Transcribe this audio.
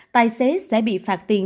tài xế sẽ bị phạt tiền